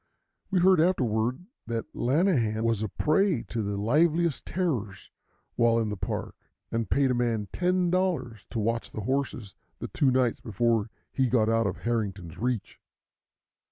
We heard afterward that Lanahan was a prey to the liveliest terrors while in the Park, and paid a man $10 to watch the horses the two nights before he got out of Harrington's reach.